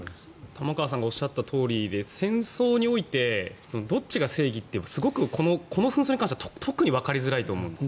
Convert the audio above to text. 玉川さんがおっしゃったとおりで戦争においてどっちが正義ってすごくこの紛争に関しては特にわかりづらいと思うんです。